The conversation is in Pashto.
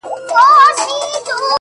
کيسې د پروني ماښام د جنگ در اچوم،